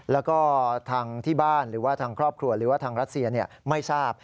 แล้วก็ทางที่บ้านหรือว่าทางครอบครัวหรือว่าทางรัสเซียไม่ทราบ